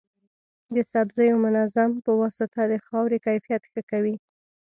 د سبزیو منظم پواسطه د خاورې کیفیت ښه کوي.